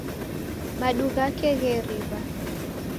Madu ghake gheriw'a